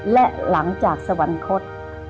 และหลังจากสวรรคต